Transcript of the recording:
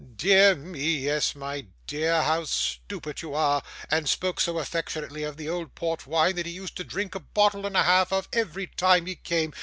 Dear me, yes, my dear, how stupid you are! and spoke so affectionately of the old port wine that he used to drink a bottle and a half of every time he came.